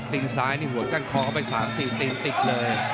นซ้ายนี่หัวกั้นคอเข้าไป๓๔ตีนติดเลย